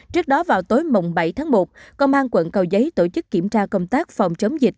trước đó vào tối bảy tháng một công an quận cầu giấy tổ chức kiểm tra công tác phòng chống dịch